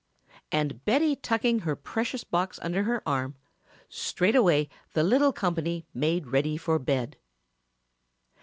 And Betty tucking her precious box under her arm, straightway the little company made ready for bed.